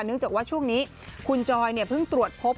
เนื่องจากว่าช่วงนี้คุณจอยเพิ่งตรวจพบ